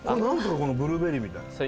このブルーベリーみたいなそれ